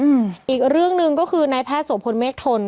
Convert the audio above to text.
เพื่อไม่ให้เชื้อมันกระจายหรือว่าขยายตัวเพิ่มมากขึ้น